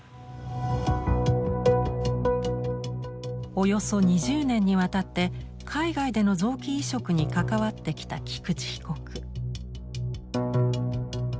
およそ２０年にわたって海外での臓器移植に関わってきた菊池被告。